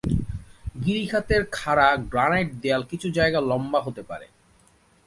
গিরিখাতের খাড়া গ্রানাইট দেয়াল কিছু জায়গায় লম্বা হতে পারে।